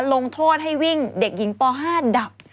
ลงโทษให้วิ่งเด็กหญิงป๕ดับ